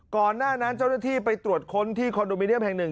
ก่อนหน้านั้นเจ้าหน้าที่ไปตรวจค้นที่คอนโดมิเนียมแห่งหนึ่ง